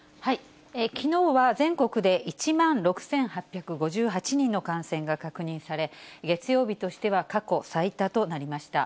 きのうは全国で１万６８５８人の感染が確認され、月曜日としては過去最多となりました。